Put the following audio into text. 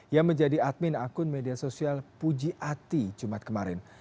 yang menjadi admin akun media sosial puji ati jumat kemarin